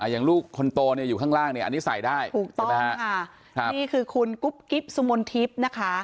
อย่างลูกคนโตเนี่ยอยู่ข้างล่างเนี่ยอันนี้ใส่ได้ถูกต้องไหมฮะนี่คือคุณกุ๊บกิ๊บสุมนทิพย์นะคะ